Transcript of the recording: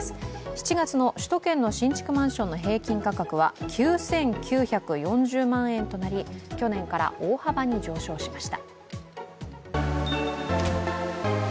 ７月の首都圏の新築マンションの平均価格は９９４０万円となり、去年から大幅に上昇しました。